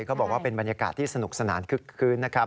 เขาบอกว่าเป็นบรรยากาศที่สนุกสนานคึกคืนนะครับ